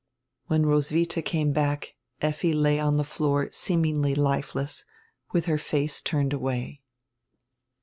When Roswidia came back Effi lay on die floor seemingly lifeless, widi her face turned away.